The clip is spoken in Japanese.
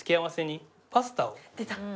出た！